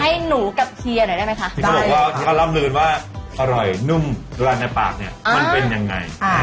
จะมีไก่ดำนะคะ